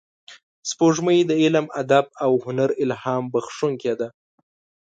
سپوږمۍ د علم، ادب او هنر الهام بخښونکې ده